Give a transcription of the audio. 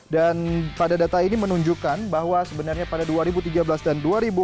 dan pada data ini menunjukkan bahwa sebenarnya pada dua ribu tiga belas dan dua ribu empat belas